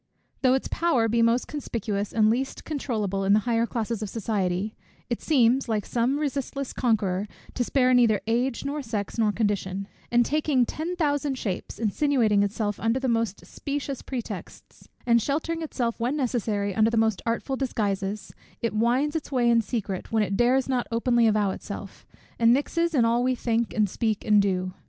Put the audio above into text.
Though its power be most conspicuous and least controulable in the higher classes of society, it seems, like some resistless conqueror, to spare neither age, nor sex, nor condition; and taking ten thousand shapes, insinuating itself under the most specious pretexts, and sheltering itself when necessary under the most artful disguises, it winds its way in secret, when it dares not openly avow itself, and mixes in all we think, and speak, and do.